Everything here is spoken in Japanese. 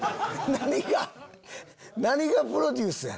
何がプロデュースや！